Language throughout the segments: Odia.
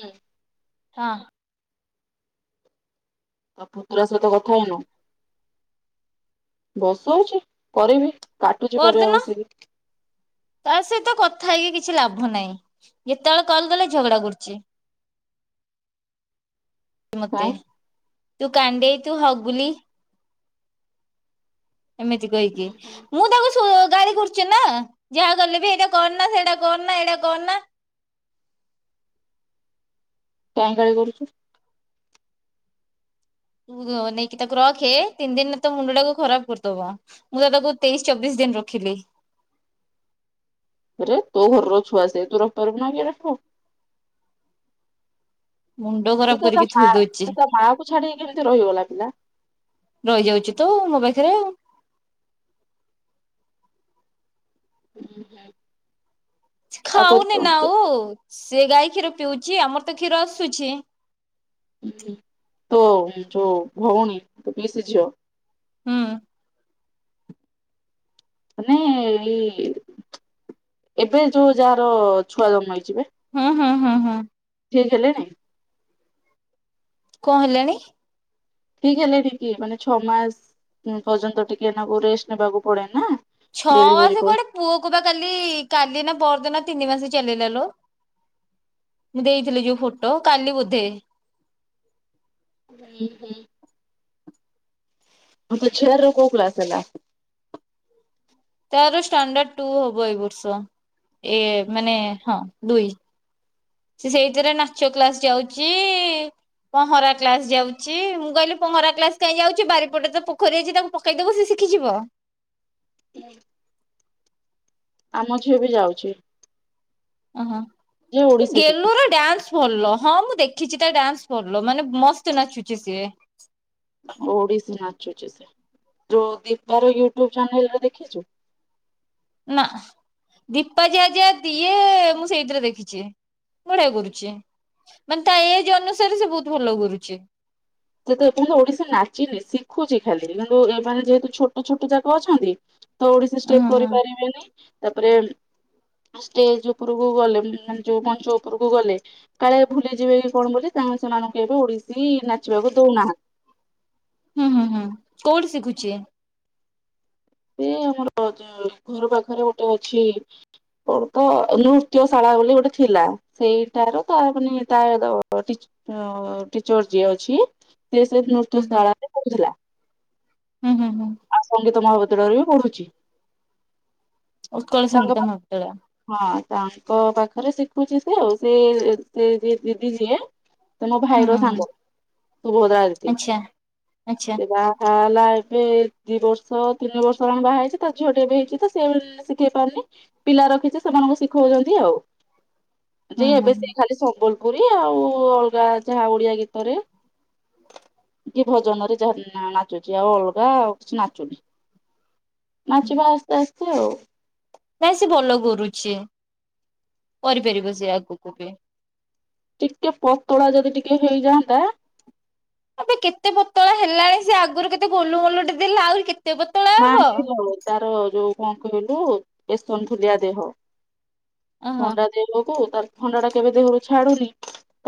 ହୁଁ। ହଁ। ଆଉ ପୁତୁରା ସହିତ କଥା ହେଇନୁ ବସଉଛି କରିବି। କାଟୁଛି ପରିବା ପରଦିନ ବସିକି ତା ସହିତ କଥା ହେଇକି କିଛି ଲାଭ ନାହିଁ। ଏତେବେଳେ କଲ୍ କଲେ ଝଗଡ଼ା କରୁଚି। ମତେ କାଇଁ ତୁ କାଣ୍ଡେଇ ତୁ ହଗୁଲି। ଏମିତି କହିକି ମୁଁ ତାକୁ ସୋ ଗାଳି କର୍ ଚି ନା ଯାହା କଲେ ବି ଏଇଟା କର୍ ନା ସେଟା କର୍ ନା ଏଇଟା କର୍ ନା। କାଇଁ ଗାଳି କରୁଚୁ। ତୁ ଗ ନେଇକି ତାକୁ ରଖେ ତିନି ଦିନରେ ତ ମୁଣ୍ଡ ଟାକୁ ଖରାପ୍ କରିଦବ। ମୁଁ ତ ତାକୁ ତେଇଶି ଚବିଶ୍ ଦିନ୍ ରଖିଲି। ଆରେ ତୋ ଘର ର ଛୁଆ ସେ ତୁ ରଖି ପାରିବୁ ନାଇଁ କି ରଖିବୁ। ମୁଣ୍ଡ ଖରାପ ତୁ ତ କରିକି ମା ଥୋଇ ଦଉଛି। ସେ ତା ମା କୁ ଛାଡ଼ିକି କେମିତି ରହିଗଲା ପିଲା। ରହିଯାଉଛି ତ ମୋ ପାଖେରେ। ଉଁ ହୁଁ। ଛି ଖାଉନି ନା ଆଉ ସେ ଗାଈ କ୍ଷୀର ପିଉଚି ଆମର ତ କ୍ଷୀର ଆସୁଛି। ତୋ ଯୋଉ ଭଉଣୀ ତ ପିଇଶି ଝିଅ। ହୁଁ। ମାନେ ଏଇ ଏବେ ଯୋଉ ଯାହାର ଛୁଆ ଜନ୍ମ ହେଇଚି ବେ। ହଁ ହଁ ହଁ ହଁ। ଠିକ୍ ହେଲେଣି? କଁ ହେଲାଣି? ଠିକ୍ ହେଲେଣି କି ମାନେ ଛଅ ମାସ ପର୍ଯ୍ୟନ୍ତ ଟିକେ ନାକୁ ରେଷ୍ଟ ନେବାକୁ ପଡେ ନା। ଛଅ ଡେଲିଭରି ମାସ ପରେ କୁଆଡେ ପୁଅ କୁ ବା କାଲି କାଲି ନା ପରଦିନ ତିନି ମାସ ଚାଲିଲା ଲ। ମୁଁ ଦେଇଥିଲି ଯୋଉ ଫୋଟୋ କାଲି ବୋଧେ। ହୁଁ ହୁଁ। ଆଙ୍କ ଛୁଆର କଉ କ୍ଲାସ ହେଲା। ତାର ଷ୍ଟାଣ୍ଡାର୍ଡ ଟୁ ହବ ଏଇ ବର୍ଷ ଏ ମାନେ ହଁ ଦୁଇ ସେ ସେଇଥିରେ ନାଚ କ୍ଲାସ ଯାଉଚି ପହଁରା କ୍ଲାସ ଯାଉଚି ମୁଁ କହିଲି ପହଁରା କ୍ଲାସ କାଇଁ ଯାଉଚି ବାରିପଟେ ତ ପୋଖରୀ ଅଛି ତାକୁ ପ କେଇ ଦବୁ ସେ ଶିଖିଯିବ। ଆମ ଝିଅ ବି ଯାଉଛି। ଓହୋ ଯେ ଓଡିଶୀ ଶିଖୁଛି ଗେଲୁୁର ଡ୍ୟାନ୍ସ ଭଲ ହଁ ମୁଁ ଦେଖିଛି ତା ଡ୍ୟାନ୍ସ କରିଲ ମାନେ ମସ୍ତ ନାଚୁଚି ସିଏ। ଓଡିଶୀ ନାଚୁଚି ସେ ତ ଦୀପାର ୟୁଟ୍ୟୁବ ଚାନେଲରେ ଦେଖିଚୁ? ନା। ଦୀପା ଯେ ଯେ ଦିଏ ମୁଁ ସେଇଥିରେ ଦେଖିଛି ବଢ଼ିଆ କରୁଚି। ମାନେ ତା ଏଜ୍ ଅନୁସାରେ ସେ ବହୁତ ଭଲ କରୁଚି। ସେ ତ ଏପଯ୍ୟନ୍ତ ଓଡିଶି ନାଚିନି ଶିଖୁଛି ଖାଲି କିନ୍ତୁ ଏମାନେ ଯେହେତୁ ଛୋଟ ଛୋଟ ଯାକ ଅଛନ୍ତି। ତ ଓଡିଶୀ ହୁଁ ଷ୍ଟେପ ହୁଁ କରିପାରିବେନି ତାପରେ ଷ୍ଟେଜ ଉପରକୁ ଗଲେ ମାନେ ଯୋଉ ମଞ୍ଚ ଉପରକୁ ଗଲେ କାଳେ ଭୁଲିଯିବେ କି କଣ ବୋଲି ତାଙ୍କୁ ସେମାନଙ୍କୁ ଏବେ ଓଡିଶୀ ନାଚିବାକୁ ଦଉନାହା ହୁଁ ହୁଁ ହୁଁ କୋଉଠି ଶିଖୁଛି? ସେ ଆମର [unintelligible] ଘର ପାଖରେ ଗୋଟେ ଅଛି କଣ ତ ନୃତ୍ୟଶାଳା ବୋଲି ଗୋଟେ ଥିଲା। ସେଇଟାର ତା ମାନେ ତାର ଟିଚ ଟିଚର ଯିଏ ଅଛି ସେ ହୁଁ ନୃତ୍ୟ ହୁଁ ସ୍ଥଳରେ କହୁଥିଲା ହୁଁ ହୁଁ ହୁଁ ସଙ୍ଗୀତ ମହାବତରରେ ବି ପଢୁଛି ଉତ୍କଳ ତାଙ୍କ ସଙ୍ଗୀତମାତାଳ ହଁ ତାଙ୍କ ପାଖରେ ଶିଖୁଛି ସେ ଆଉ ସେ ସେ ଯିଏ ଦିଦି ଯିଏ ସେ ମୋ ହୁଁ ଭାଇ ର ହୁଁ ହୁଁ ସାଙ୍ଗ ଶୁଭଦା ଆଚ୍ଛା ଆଚ୍ଛା [unintelligible] ଆ ଲାଇଫ ଦି ବର୍ଷ ତିନି ବର୍ଷ ବାହା ହେଇଛି ତା ଝିଅ ଟ ଏବେ ହେଇଛି ତ ସେ ଶିଖେଇ ପାରୁନି ପିଲା ରଖିଛି ସେମାନଙ୍କୁ ଶିଖଉଛନ୍ତି ଆଉ ଯେ ହୁଁ ହୁଁ ଏବେ ସେ ହୁଁ। ଖାଲି ସମ୍ବଲପୁରୀ ଆଉ ଅଲଗା ଯାହା ଓଡିଆ ଗୀତରେ କି ଭଜନରେ ଯାହା ନା ନାଚୁଚି ଆଉ ଅଲଗା ଆଉ କିଛି ନାଚୁନି ନାଚିବା ଆସ୍ତେ ଆସ୍ତେ ଆଉ ନାଇଁ ସେ ଭଲ କରୁଛି କରିପାରିବ ସେ ଆଗକୁ ବି ଟିକେ ପତଳା ଯଦି ଟିକେ ହେଇଯାଆନ୍ତା ଏବେ କେତେ ପତଳା ହେଲାଣି ସେ ଆଗରୁ କେତେ ଗୋଲ ଗୋଲଟେ ଦେଲା ଆହୁରି କେତେ ପତଳା ହବ। ନାଇଁ ଆଉ ତାର ଯୋଉ କଣ କହିଲୁ ଏସନ ଫୁଲିଆ ଦେହ ଓହୋ ଥଣ୍ଡା ଦେହକୁ ତ ଥଣ୍ଡା ଟା କେବେ ଦେହରୁ ଛାଡୁନି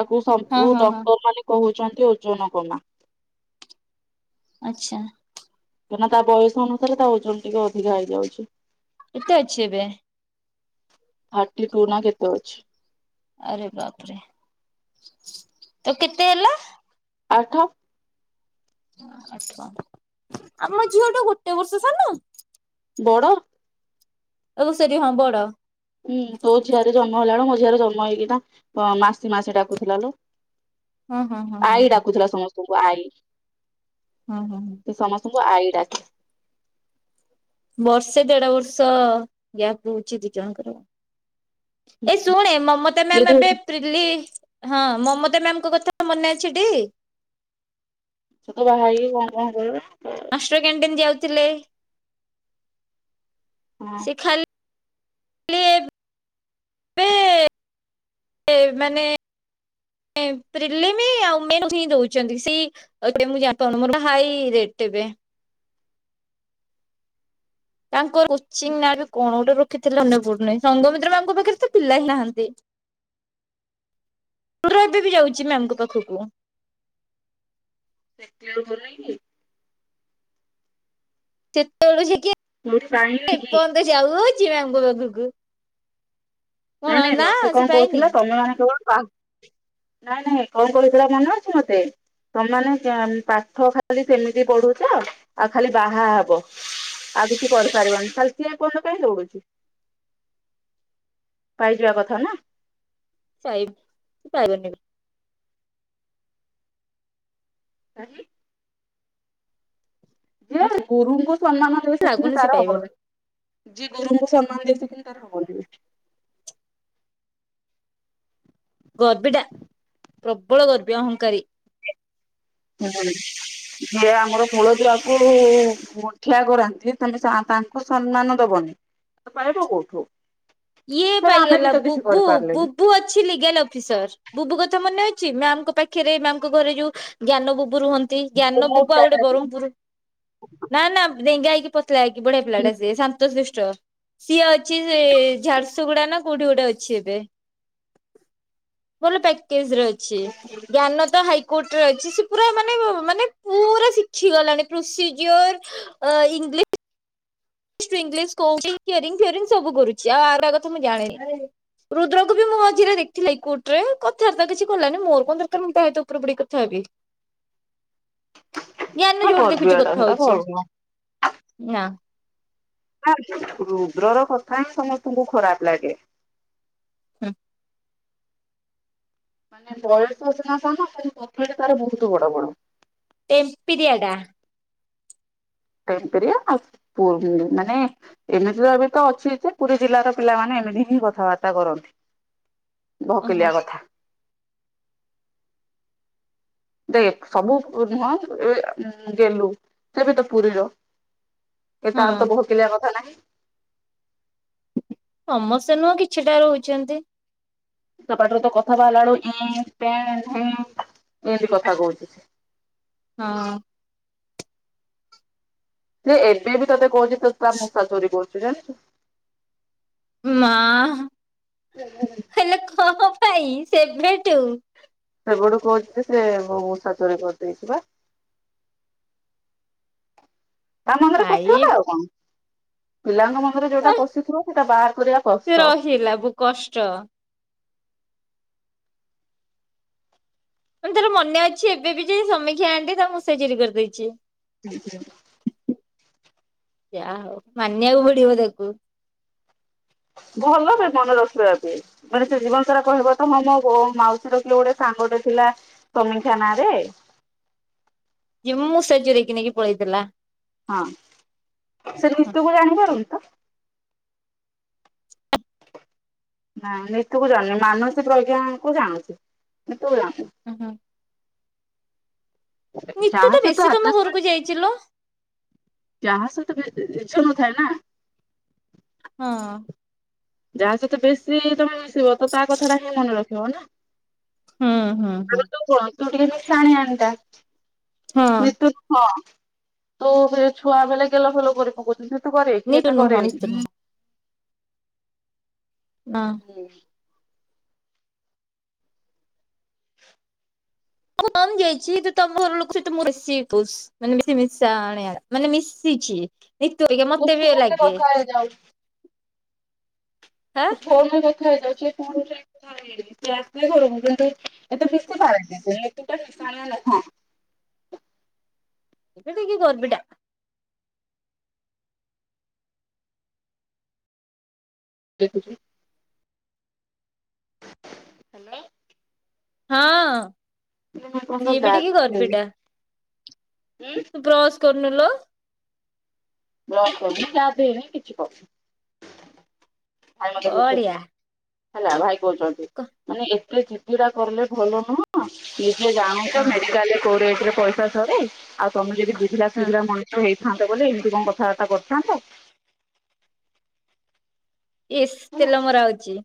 ତାକୁ ହଁ ସବୁ ହଁ ହଁ ଡକ୍ଟର ମାନେ କହୁଛନ୍ତି ଓଜନ କମା ଆଚଛା କାଁନା ତା ବୟସ ଅନୁସାରେ ତା ଓଜନ ଟିକେ ଅଧିକା ହେଇଯାଉଛି କେତେ ଅଛି ଏବେ? ଥାର୍ଟି ଟୁ ନା କେତେ ଅଛି ଆରେ ବାପରେ ତ କେତେ ହେଲା ଆଠ ଆପଣ ଝିଅ ଟା ଗୋଟେ ବର୍ଷ ସାନ ବଡ଼ ଏତ ସେଠି ହଁ ବଡ ହୁଁ ତୋ ଝିଅରେ ଜନ୍ମ ହେଲା ବୁ ମୋ ଝିଅରେ ଜନ୍ମ ହେଇକିନା ମାସ ମାସେ ଡାକୁଥିଲା ଲ ହୁଁ ହୁଁ ହୁଁ ହୁଁ ଆଈ ଡାକୁଥିଲା ସମସ୍ତଙ୍କୁ ଆଈ ହୁଁ ହୁଁ ହୁଁ ସେ ସମସ୍ତଙ୍କୁ ଆଇଡାକେ ବର୍ଷେ ଦେଢ ବର୍ଷ ଗ୍ୟାପ୍ ରହୁଛି ଦି ଜଣଙ୍କର ଏ ହୁଁ ଶୁଣେ ମମତା ଇଏ ମ୍ୟାମ ତ ଏବେ ତ୍ରିଲି ହଁ ମମତା ମ୍ୟାାମଙ୍କ କଥା ମନେ ଅଛିଟି ସେତ ବାହା ହେକି କଣ କଣ କର [unintelligible] ହଁ। ସେ ଖାଲି ଏବେ ମାନେପ୍ରିଲିମ ଆଉ ମ ହିଁ ଦଉଛନ୍ତି ସେ ଆଉାଣି ଜାଣି ପାରୁନି ହାଇ ରେଟ ଏବେ ତାଙ୍କର କୋଚି ନାଁ ବି କଣ ଗୋଟେ ରଖିଥିଲେ ଅପୂର୍ଣ ସଙ୍ଗମିତ୍ର ମଙ୍କ ପାଖରେ ତ ପିଲା ହିଁ ନାହାନ୍ତି ର ଏବେ ବି ଯାଉଛି ମ୍ୟାମଙ୍କ ପାଖକୁ ସେଠ ଆ ଭଲି ସେତେବେଳ ସେ କିିଏ ନଠ ପାଣିିବ କି ଯାଉଛିିବା ମ୍ମା୍ୟମ ପାଖକୁ କଣ ନାଇଁ ନାଇଁ ନା ମତେ ସେ କଣ ପାଇନି? କହୁଥିଲେ ତମେ ମାନେ କେବଳ ନାଇଁ ନାଇଁ କଁ କଇଥିଲା ମନେ ଅଛି ମୋତେ ତମାନେ ପାଠ ଖାଲି ସେମିତି ପଢୁଚ ଆଉ ଖାଲି ବାହା ହବ। ଆଉ କିଛି କରିପାରିବନି ଖାଲି ସିଏ [unintelligible] ପାଇଁଁ ଦୌଡ଼ୁଉଚି। ପାଇଯିବା କଥାନା। [unintelligible] ସେପାଇବେନିବି [unintelligible] ମତେ ନାଁ ଗୁରୁଙ୍କୁ ସମ୍ମାନ ଦେଲେ ସେଥିରେ ଲାଗୁନି ସେ ତାର ହବ ପାଇବ [unintelligible] ଯିଏ ଗୁରୁଙ୍କୁ ସମ୍ମାନ ଦେଇସକିନି ତାର ହବନି। ଗର୍ବିଟା ପ୍ରବଳ ଗର୍ବୀ ଅହଂଙ୍କାରୀ। ହବନି ଯିଏ ଆମର କୂଳ ଦୁଆକୁ ଗଠିଆ କରାନ୍ତି ତମେ ସେସମ୍ମାନ ଦବନି ସେପାଇବ କୋଉଠୁ ଇଏ ସେଟା ଆମେ ବି ପାଇଗଲା ତ କିଛି ବୁବୁ ବୁ କରିପାରିଲେନି। ବୁ ଅଛି ଲିଗାଲ ଅଫିସର୍ ବୁବୁ କଥା ମନେ ଅଛି ମ୍ୟାମଙ୍କ ପାଖରେ ମ୍ୟାମଙ୍କ ଘରେ ଯୋଉ ଜ୍ଞାନ ବୁବୁ ରୁହନ୍ତି ଜ୍ଞାନ ଗର୍ବିୟ ବୁବୁ ଆଉ ଗୋଟେ ଟା ବ୍ରହ୍ମପୁର ନା ନା ଡେଙ୍ଗା ହେଇକି ପତଲା ହେଇକି ବଢିଆ ପିଲାଟେସେ ସନ୍ତୋ ଶିଷ୍ଟ ସିଏ ଅଛି ସେ ଝଡ଼ସୁଗଡ଼ାନା କୋଉଠି ଗୋଟେ ଅଛି ଏବେ ଭଲ ପ୍ୟାକେଜରେ ଅ ଛି ଜ୍ଞାନତ ହାଇ କୋଟରେ ଅଛି ସେପୁରା ମାନେ ମାନେ ପୁରା ଶିଖିଗଲାଣି ପ୍ରୋସିଜିର ଅ ଂଲି ସେଇଙ୍ଗ୍ଲିସ୍ କୋଉଚି କେରିଂ ଫିଅରିଂ ସବୁ କରୁଚି ଆଉ ଆର ଆଗତ ମୁଁ ଜାଣିନି ରୁଦ୍ରକୁବି ମୁମଝିରେ ଦେଖଥିଲି କୋର୍ଟରେ କଥାବାର୍ତ୍ତା କିଛି କଲାନି ମୋର କଣ ଦରକାର୍ ମୁଁ ତାସହିତ ଉପରେ ବଢିକି କଥା ହେବି। ଜ୍ଞାନ ସେଟା ଯୋଉଠି ଦେଖୁଚି କଥା ହଉଚି। ଗର୍ବ ନାଁ। ରୁଦ୍ରର କଥାହିଁ ସମସ୍ତଙ୍କୁ ଖରାପ୍ ଲାଗେ। ହୁଁ। ମାନେ ବୟସରେ ସିନା ସାନ ଖାଲି କଥାଅରା ତାର ବହୁତ୍ ବଡ଼ ବଡ଼ ଟେମ୍ପିରିିଆଟା। ଟେମ୍ପିରିଆଟା ପଉ ମାନେ ଏମିତିରେତ ଏବେତ ଅଛିଯେ ପୁରୀ ଜିଲ୍ଲାର ପିଲାମାନେ ଏମିତିହିଁ କଥାବାର୍ତ୍ତା କରନ୍ତି। ଓହୋ ଭକିଲିଆ କଥା। ଦେଖ ସବୁ ନୁହଁ ଏ ଗେଲୁ ସିଏବିତ ପୁରୀର ଏ ହଁ ତାରତ ବହକିଲିଆ କଥା ନାହିଁ। ସମସ୍ତେ ନୁହଁ କିଛିଟା ରହୁଛନ୍ତି। ତା ପାଟିରୁତ କଥା ବାହାରିଲା ଏଳୁ ଏଁ ପେଏଁ ଢେଏଁ ଏନ୍ତି କଥା କହୁଚିସେ। ହଁ। ଯେ ଏବେବି ତୋତେ କହୁଚି ତୁତାମୂଷା ଚୋରି କରୁଚୁ ଜାଣିଚୁ। ମା ହେଲେ କଁ ପାଇଁ ସେବେଠୁ? ସେବଠୁ କହୁଚିସେ ମୋମୂଷା ଚୋରି କରି ଦେଇଚିବା। ତାମା ଆଇପ୍ କଣ ପିଲାଙ୍କ ମନରେ ଯୋଉଟା ପଶିଥିବ ସେଇଟା ବାହାର କରିବା କଷ୍ଟ। ଥିଲା ବୁ କଷ୍ଟ। ମାନେ ତାର ମନେ ଅଛି ଏବେବି ଯାଏଁ ସମୀକ୍ଷା ଆଣ୍ଟି ତା ମୂଷା ଚୋରି କରିଦେଇଚି। [unintelligible] ଯାହଉ ମାନିବାକୁ ପଡ଼ିବ ତାକୁ। ଭଲ ବୀବନ ରଖିବା ବି। ମାନେ ସେ ଜୀବନ ସାରା କହିବ ତମେ ମୋ ହୋ ମାଉସୀର କିିଏ ଗୋଟେ ସାଙ୍ଗଟେ ଥିଲା। ସମୀକ୍ଷା ନାଁରେ? ଯିଏ ମୋ ମୂଷା ଚୋରେଇକି ନେଇକି ପଳେଇଥିଲା। ହଁ, ସେ ନିତୁକୁ ଜାଣି ପାରୁନି ତ। ନାଁ ନିତୁକୁ ଜାଣୁନି ମାନସୀ ପ୍ରଜ୍ଞାକୁ ଜାଣୁଚି, ନିିତୁକୁ ଜା ହୁଁ ହୁଁ। ଚା ନିତୁ ତ ସହିତ ବେଶୀ ତମ ଘରକୁ ଆକାଶବାଣୀ। ଯାଇଛି ଲୋ। ଚାହା ସହିତ ବେ ଇଚ୍ଛା ନଥାଏ ନା? ହଁ। ଯାହା ସହିତ ବେଶୀ ତମେ ମିଶିବ ତ ତା କଥାଟା ହିଁ ମନେ ରଖିବ ନା। ହୁଁ, ହୁଁ, ଆଗ ହୁଁ। ତୁ କଣ ତୁ ଟିକେ ମିଶାଣିଆଣିଟା, ହଁ ନୀତୁ ହଁ ତୁ ବି ଛୁଆ ବେଳେ ଗେଲ ଫେଲ କରି ପକଉଥୁଲୁ। ନୀତୁ କରେ ନିତୁ କିଏତ ନୁହଁ କରେନି? ନିତୁ ନୁହଁ। ନାଁ। ହୁଁ। [unintelligible] ମୁଁ କମ୍ ଯାଇଛି ତ ତମ ଘର ଲୋକ ସହିତ ମୁଁ ବେଶୀ ପୁସ୍। ମାନେ ବେଶୀ ମିଶାଣିଆ ମାନେ ମିଶିଛି। ନିତୁ ଏଇକା ତୁ ମତେ ବି ଫୋନରେ ଲାଗେ। କଥା ହେଇଯାଉ ମୁ ଫୋନରେ କଥା ହେଇଯାଉଛି। [inaudible] ଁ ଥାଏ [unintelligible] ସେ ଆସିଲେ ଘରକୁ କିନ୍ତୁ ଏତେ ମିଶି ପାରେନି ସେ ନୀତୁଟା ମିଶାଣିଆ ନୁହଁ। ଏଟା ଟିକେ ଗର୍ବୀଟା। ଦେଖୁଚି। [unintelligible] ହଁ। ମୁଁ ଏ ପଯ୍ୟନ୍ତ ସିଏ ବି ଟିକେ ଗାଧେଇନି, ଗର୍ବିଟା ଉଁ ତୁ ବ୍ରସ୍ କରୁନୁ ଲୋ। ବ୍ରସ୍ କରିନୁ, ଚା ପିଇନୁ, କିଛି କରୁନୁ। ଭାଇ ମତେ ବୁଝଉଛନ୍ତି, ବଢିଆ। ହେଲା ଭାଇ କହୁଛନ୍ତି ହଁ ମାନେ ଏ ଏତେ ଜିଦ୍ଦିଟା କଲେ ଭଲ ନୁହଁ, ନିଜେ ଜାଣନ୍ତୁ ମେଡ଼ିକାଲରେ କୋଉରେଟରେ ପଇସା ଥରେ, ଆଉ ତମେ ଯଦି ବୁଝିଲା ହଁ ସୁୁଝିଲା ମଣିଷ ହେଇଥାନ୍ତ ବୋଲି ଏମିତି କଣ କଥାବାର୍ତ୍ତା କରିଥାନ୍ତ? ଇସ୍ ତେଲ ମରା ହଉଛି।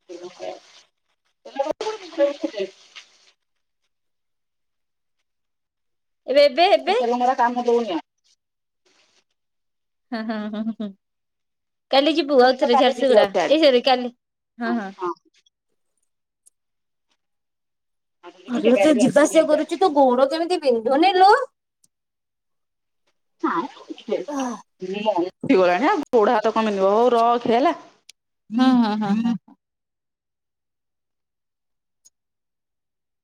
[unintelligible] ଏବେ ଏବେ ସେ ଏବେ ତେଲମରା କାମ ଦଉନି ଆଉ। [unintelligible] କାଲି ଯିବୁ ମୁଁ ଆଉ ତ ଥରେ କାଲି ଯିବି ଆଉ ଝାରସୁଗୁଡା, ସିଆଡେ ଏ ସରି କାଲି, ହଁ, ହଁ। ହଁ ଭଲ କେବେ ତୁ ଆଇବି ଯିବା ଆସିକି ଏଇ ଆସିବା କରୁଛୁ ସିଆଡେ ତୋ ଗୋଡ଼ କେମିତି ବିନ୍ଧୁନି ଲୋ। [unintelligible] ଗଲାଣି ହଁ ଆଉ ଗୋଡ଼ ହାତ କଣ ବିନ୍ଧିବ, ହଉ ରଖେ ହେଲା। ହଁ, ହଁ, ହଁ, ହଁ।